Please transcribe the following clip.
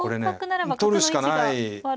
うん取るしかない。